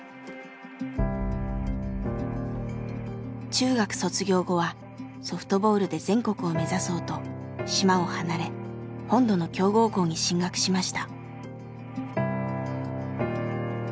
中学卒業後はソフトボールで全国を目指そうと島を離れ本土の強豪校に進学しました。